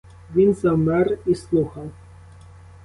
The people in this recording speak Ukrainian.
Він завмер і слухав.